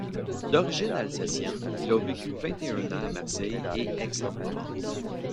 D'origine alsacienne, il a vécu vingt et un an à Marseille et Aix-en-Provence.